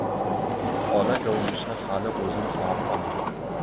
Ola govmishni hali o‘zim sog‘ib olaman.